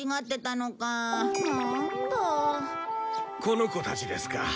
この子たちですか？